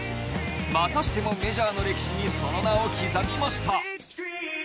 またしてもメジャーの歴史にその名を刻みました。